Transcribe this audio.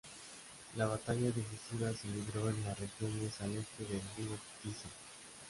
La batalla decisiva se libró en las regiones al este del río Tisza.